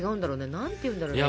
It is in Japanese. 何て言うんだろうね。